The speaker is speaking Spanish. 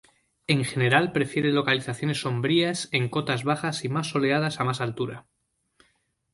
En general prefiere localizaciones sombrías en cotas bajas y más soleadas a más altura.